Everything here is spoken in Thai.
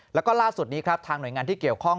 แล้วก็ล่าสุดนี้ครับทางหน่วยงานที่เกี่ยวข้อง